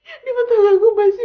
aku takut banget sa